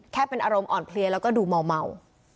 เป็นอารมณ์อ่อนเพลียแล้วก็ดูเมา